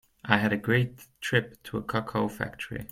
I had a great trip to a cocoa factory.